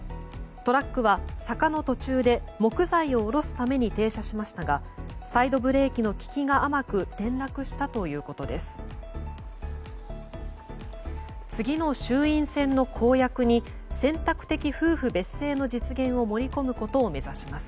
トラックは坂の途中で木材を下ろすために停車しましたがサイドブレーキの利きが甘く転落したということです。